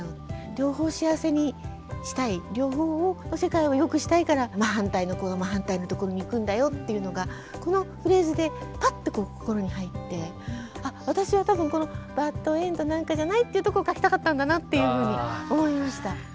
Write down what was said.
両方幸せにしたい両方の世界をよくしたいから真反対の子が真反対のところに行くんだよっていうのがこのフレーズでぱっと心に入って私は多分この「バッドエンドなんかじゃない」っていうところを書きたかったんだなっていうふうに思いました。